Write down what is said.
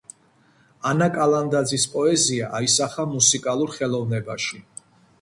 ანა კალანდაძის პოეზია აისახა მუსიკალურ ხელოვნებაში